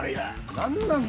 何なんだ？